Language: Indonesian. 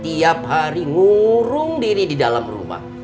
tiap hari ngurung diri di dalam rumah